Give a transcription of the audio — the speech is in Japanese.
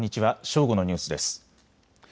正午のニュースです。